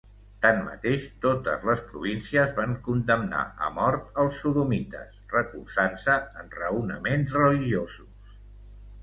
Tanmateix totes les províncies van condemnar a mort als sodomites, recolzant-se en raonaments religiosos.